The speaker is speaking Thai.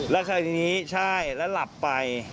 ลักษณะขายจากนี้ใช่แล้วหลับไป